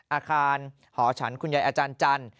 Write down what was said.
อาคารหอฉันคุณยายอาจารย์จันทร์